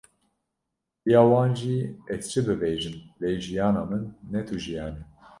Diya wan jî: Ez çi bibêjim, lê jiyana min, ne tu jiyan e.”